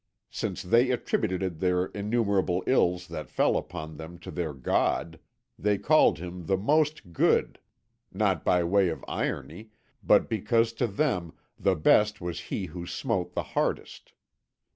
Since they attributed the innumerable ills that fell upon them to their God, they called him the Most Good, not by way of irony, but because to them the best was he who smote the hardest.